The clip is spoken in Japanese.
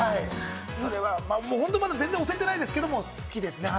本当にまだ全然推せてないですけど、好きですね。